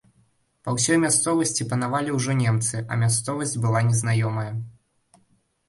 Па ўсёй мясцовасці панавалі ўжо немцы, а мясцовасць была незнаёмая.